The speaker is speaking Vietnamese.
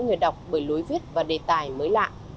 người đọc bởi lối viết và đề tài mới lạ